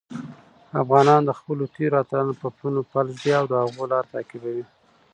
افغانان د خپلو تېرو اتلانو په پلونو پل ږدي او د هغوی لاره تعقیبوي.